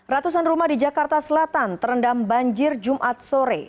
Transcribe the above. ratusan rumah di jakarta selatan terendam banjir jumat sore